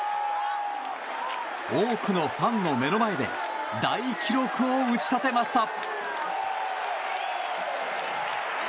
多くのファンの目の前で大記録を打ち立てました。